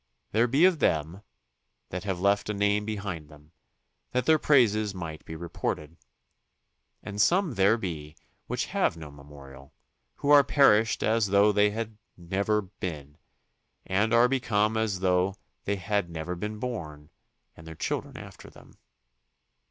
There be of them, that have left a name behind them, that their praises might be reported. And some there be which have no memorial; who are perished as though they had never been; and are become as though they had never been born; and their children after them.